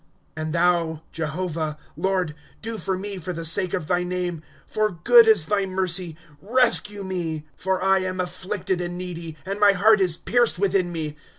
"^^ And thou, Jehovah, Lord, Do for mo, for the sake of thy name, Tor good is thy mercy ; rescue me. ^^ For I am afflicted and needy, And my heart is pierced within me.